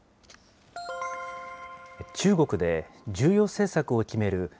中国で、重要政策を決める